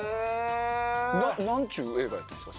何ちゅう映画なんですか。